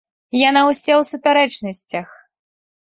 Яна ўся ў супярэчнасцях.